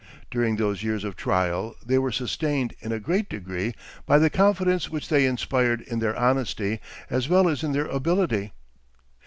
During those years of trial they were sustained in a great degree by the confidence which they inspired in their honesty, as well as in their ability.